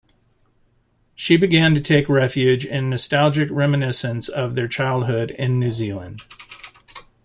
She began to take refuge in nostalgic reminiscences of their childhood in New Zealand.